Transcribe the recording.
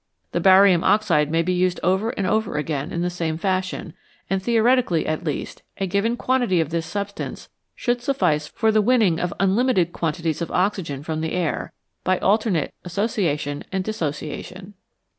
The barium oxide may be used over and over again in the same fashion, and, theoretically at least, a given quantity of this substance should suffice for the winning of unlimited quantities of oxygen from the air, by alternate association and dissociation.